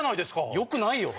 よくないよ！